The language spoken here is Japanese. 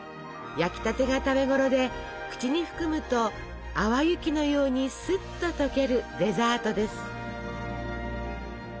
焼きたてが食べごろで口に含むと淡雪のようにすっと溶けるデザートです。